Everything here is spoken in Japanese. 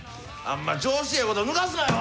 あんま調子ええことぬかすなよ！